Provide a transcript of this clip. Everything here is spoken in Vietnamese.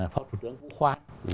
phó thủ tướng cũng khoa